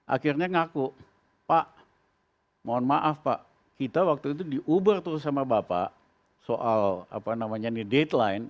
akhirnya ngaku pak mohon maaf pak kita waktu itu diuber terus sama bapak soal apa namanya ini deadline